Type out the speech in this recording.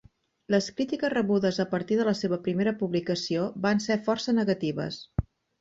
Les crítiques rebudes a partir de la seva primera publicació van ser força negatives.